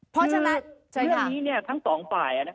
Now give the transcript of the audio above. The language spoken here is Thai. เพราะฉะนั้นเรื่องนี้ทั้งสองฝ่าย